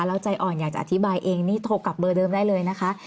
แล้วใจอ่อนอยากจะอธิบายเองนี่โทรกลับเบอร์เดิมได้เลยนะคะ